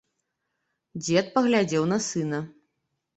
Дзед паглядзеў на сына.